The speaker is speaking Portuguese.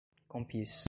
compiz